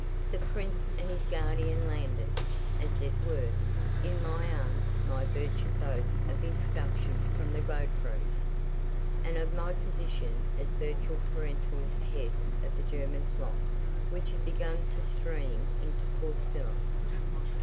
The Prince and his guardian landed, as it were, in my arms, by virtue both of introductions from the Godeffroys, and of my position as virtual parental head of the German flock which had begun to stream into Port Phillip.